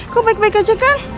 kok baik baik aja kan